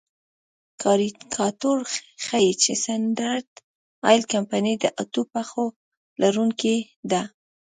کاریکاتور ښيي چې سټنډرډ آیل کمپنۍ د اتو پښو لرونکې ده.